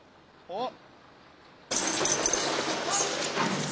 おっ？